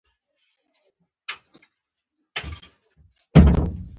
دباندې اوس بشپړه تیاره خپره شوې وه.